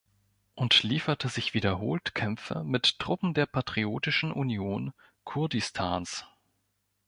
Und lieferte sich wiederholt Kämpfe mit Truppen der Patriotischen Union Kurdistans.